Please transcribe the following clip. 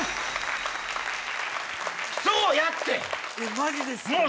マジですか？